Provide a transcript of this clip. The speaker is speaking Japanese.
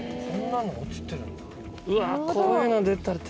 こんなの落ちてるんだ。